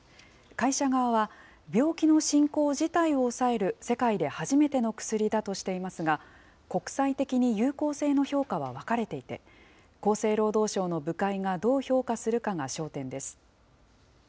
会社側は、病気の進行自体を抑える世界で初めての薬だとしていますが、国際的に有効性の評価は分かれていて、厚生労働省の部会がどう評価するかが焦点です。